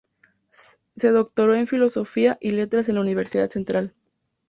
Se doctoró en Filosofía y Letras en la Universidad central.